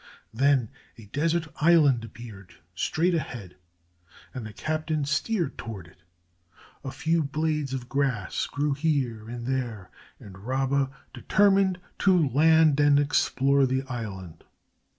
Then a desert island appeared straight ahead, and the captain steered toward it. A few blades of grass grew here and there, and Rabba determined to land and explore the island.